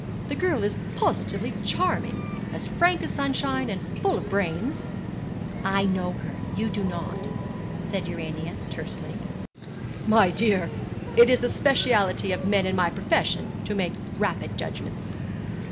The girl is positively charming, as frank as the sunshine, and full of brains.' 'I know her. You do not,' said Urania tersely. 'My dear, it is the speciality of men in my profession to make rapid judgments.'